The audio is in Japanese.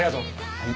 はい。